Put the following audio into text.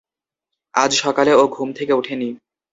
আজ সকালে ও ঘুম থেকে উঠেনি!